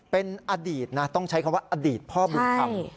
เป็นอดีตนะต้องใช้คำว่าอดีตพ่อบุญธรรม